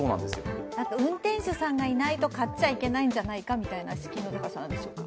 あと運転手さんがいないと買っちゃいけないんじゃないかみたいな敷居の高さなんでしょうか。